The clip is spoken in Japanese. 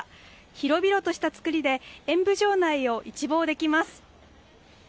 広々としたつくりで演舞場内を一望できます。